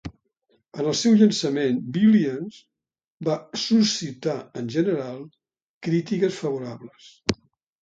En el seu llançament, Brilliance va suscitar en general crítiques favorables.